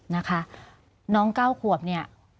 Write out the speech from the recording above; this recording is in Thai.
นะคะน้อง๙ขวบเนี่ย